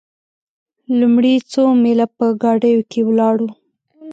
لومړي څو میله په ګاډیو کې ولاړو.